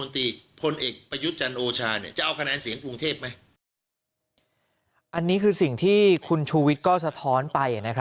ถ้าคุณชูวิตก็สะท้อนไป